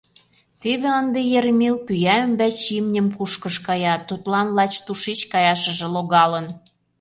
Теве ынде Ермил пӱя ӱмбач имньым кушкыж кая, тудлан лач тушеч каяшыже логалын.